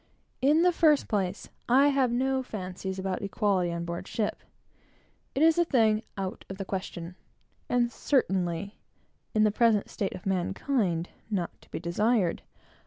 In the first place, I have no fancies about equality on board ship, It is a thing out of the question, and certainly, in the present state of mankind, not to be desired.